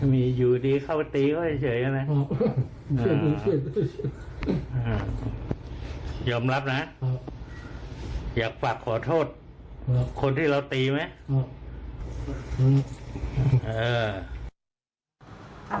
มีอยู่ดีเข้าไปตีเขาเฉยใช่ไหมยอมรับนะอยากฝากขอโทษคนที่เราตีไหม